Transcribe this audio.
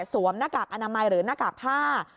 หน้ากากอนามัยหรือหน้ากากผ้า